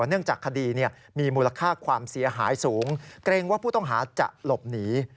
เนื่องจากคดีมีมูลค่าความเสียหายสูงเกรงว่าผู้ต้องหาจะหลบหนี